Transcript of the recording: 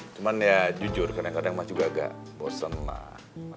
cuman ya jujur kadang kadang mah juga agak bosen mah